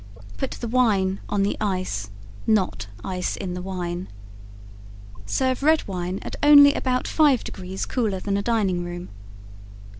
Put the wine on the ice not ice in the wine. Serve red wine at only about 5 degrees cooler than the dining room.